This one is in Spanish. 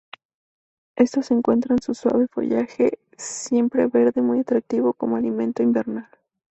Estos encuentran su suave follaje siempreverde muy atractivo como alimento invernal.